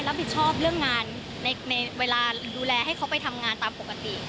รับผิดชอบเรื่องงานในเวลาดูแลให้เขาไปทำงานตามปกติ